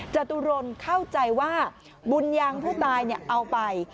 จตุรนเข้าใจว่าบุญยังผู้ตายเอาไป